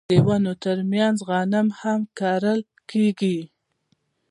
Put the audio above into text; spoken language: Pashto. د ونو ترمنځ غنم هم کرل کیږي.